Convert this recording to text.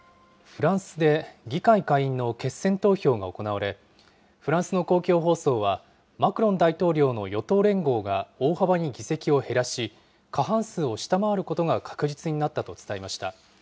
フランスで議会下院の決選投票が行われ、フランスの公共放送は、マクロン大統領の与党連合が大幅に議席を減らし、過半数を下回ることが確実になったと伝えました。